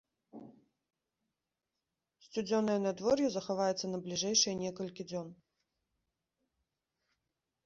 Сцюдзёнае надвор'е захаваецца на бліжэйшыя некалькі дзён.